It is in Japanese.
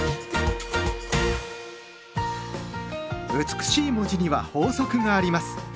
美しい文字には法則があります。